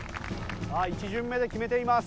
さあ１巡目で決めています